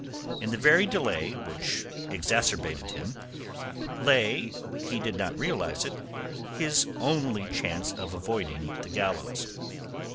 In the very delay which exacerbated him lay although he did not realize it his only chance of avoiding the gallows.